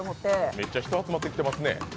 めっちゃ人集まってきてますね。